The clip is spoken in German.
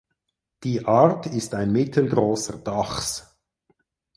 Die Art ist ein mittelgroßer Dachs.